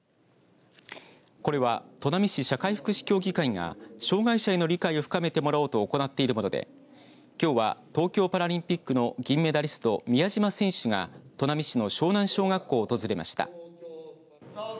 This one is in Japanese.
これは砺波市社会福祉協議会が障害者への理解を深めてもらおうと行っているものできょうは東京パラリンピックの銀メダリスト宮島選手が砺波市の庄南小学校を訪れました。